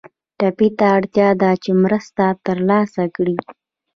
ټپي ته اړتیا ده چې مرسته تر لاسه کړي.